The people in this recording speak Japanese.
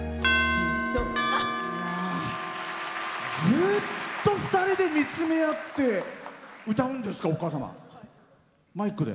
ずっと２人で見つめ合って歌うんですか、お母さん。